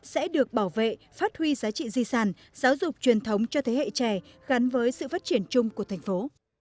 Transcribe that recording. sẽ được bảo vệ phát huy giá trị di sản giáo dục truyền thống cho thế hệ trẻ gắn với sự phát triển chung của thành phố